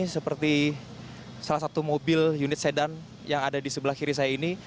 seperti salah satu mobil unit sedan yang ada di sebelah kiri saya ini